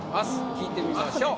聞いてみましょう。